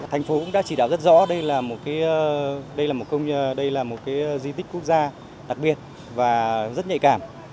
thành phố cũng đã chỉ đạo rất rõ đây là một di tích quốc gia đặc biệt và rất nhạy cảm